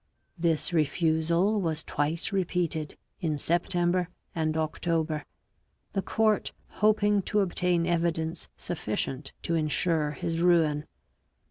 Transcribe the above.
This refusal was twice repeated in September and October, the court hoping to obtain evidence sufficient to ensure his ruin.